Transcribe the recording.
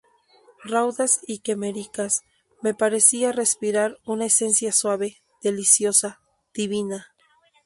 raudas y quiméricas, me parecía respirar una esencia suave, deliciosa, divina: